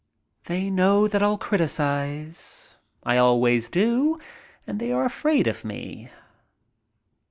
They know that I'll criticize. I always do and they are afraid of me.